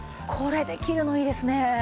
これできるのいいですね。